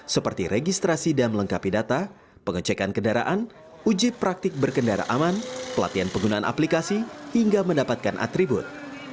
seperti registrasi dan melengkapi data pengecekan kendaraan uji praktik berkendara aman pelatihan penggunaan aplikasi hingga mendapatkan atribut